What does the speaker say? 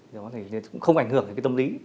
đó thì cũng không ảnh hưởng đến cái tâm lý